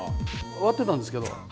割ってたんですけど鉢。